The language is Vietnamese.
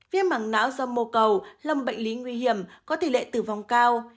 viêm mảng nã do mô cầu là một bệnh lý nguy hiểm có tỷ lệ tử vong cao